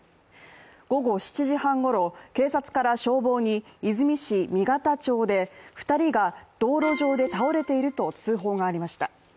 午後７時半ごろ警察から消防に和泉市で、２人が道路上で倒れていると通報がありました。